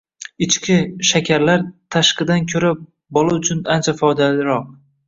“Ichki” shakarlar “tashqidan” ko‘ra bola uchun ancha foydaliroq